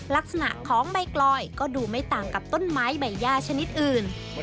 ลักษณะของใบกลอยก็ดูไม่ต่างกับต้นไม้ใบย่าชนิดอื่น